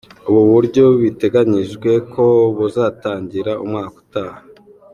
Ubu buryo biteganyijwe ko buzatangira umwaka utaha.